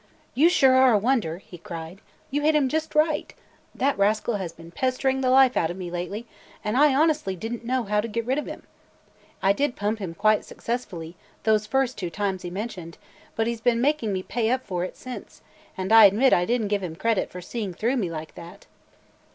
"You sure are a wonder!" he cried. "You hit him just right! That rascal has been pestering the life out of me lately and I honestly did n't know how to get rid of him. I did pump him quite successfully, those first two times he mentioned, but he 's been making me pay up for it since; and I admit I did n't give him credit for seeing through me like that!"